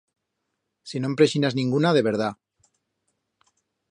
Si no'n preixinas ninguna, de verdat.